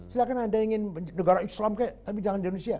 silahkan anda ingin negara islam kek tapi jangan di indonesia